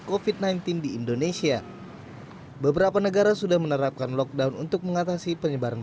covid sembilan belas di indonesia beberapa negara sudah menerapkan lockdown untuk mengatasi penyebaran